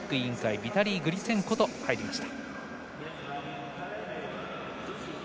ビタリー・グリツェンコと入りました。